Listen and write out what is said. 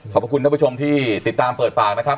ขอบคุณท่านผู้ชมที่ติดตามเปิดปากนะครับ